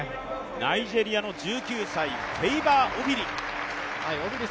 ナイジェリアの１９歳フェイバー・オフィリ。